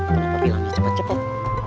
kenapa bilangnya cepet cepet